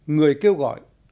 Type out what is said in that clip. người kêu gọi